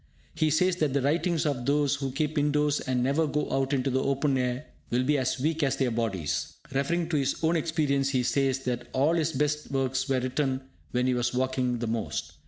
He says that the writings of those who keep indoors and never go out into the open air, will be as weak as their bodies. Referring to his own experience, he says that all his best works were written when he was walking the most.